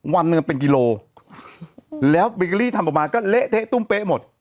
วันหนึ่งเป็นกิโลแล้วเบเกอรี่ทำออกมาก็เละเทะตุ้มเป๊ะหมด